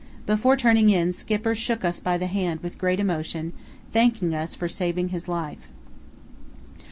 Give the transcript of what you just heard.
Before turning in Skipper shook us by the hand with great emotion, thanking us for saving his life."